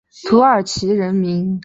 土耳其人名的顺序是名前姓后。